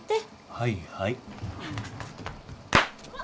はいはい。